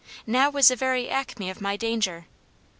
Now was the very acme of my danger.